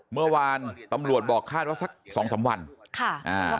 เมื่อวานตำรวจบอกคาดว่าสักสองสามวันค่ะอ่า